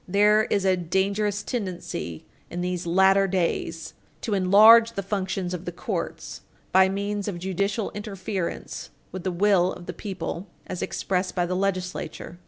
There is a dangerous tendency in these latter days to enlarge the functions of the courts by means of judicial interference with the will of the people as expressed by the legislature.